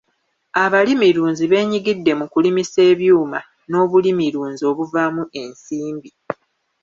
Abalimirunzi beenyigidde mu kulimisa ebyuma n'obulimirunzi obuvaamu ensimbi.